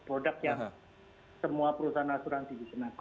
produk yang semua perusahaan asuransi dikenakan